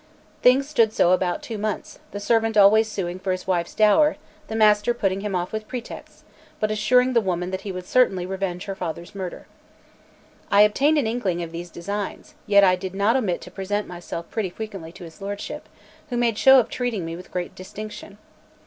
Things stood so about two months, the servant always suing for his wife's dower, the master putting him off with pretexts, but assuring the woman that he would certainly revenge her father's murder. I obtained an inkling of these designs; yet I did not omit to present myself pretty frequently to his lordship, who made show of treating me with great distinction.